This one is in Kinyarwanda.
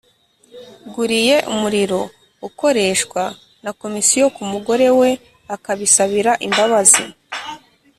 guriye umuriro ukoreshwa na Komisiyo ku mugore we akabisabira imbabazi